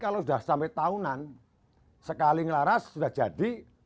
kalau sudah sampai tahunan sekali ngelaras sudah jadi